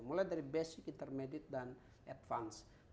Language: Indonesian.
mulai dari basic intermediate dan advance